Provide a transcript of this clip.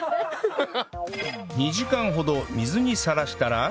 ２時間ほど水にさらしたら